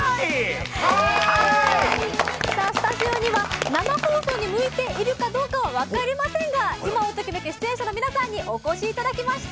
スタジオには生放送に向いているかどうかは分かりませんが、今をときめく出演者の皆さんにお越しいただきました。